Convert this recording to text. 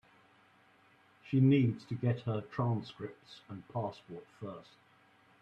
She needs to get her transcripts and passport first.